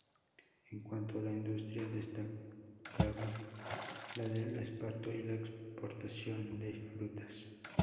En cuanto a la industria destacaba la del esparto y la exportación de frutas.